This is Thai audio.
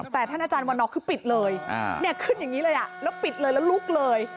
แต่ท่านอาจารย์วันนอร์คือปิดเลยขึ้นอย่างนี้เลยแล้วปิดเลยแล้วลุกเลย